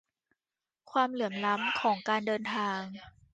ความเหลื่อมล้ำ ของการเดินทาง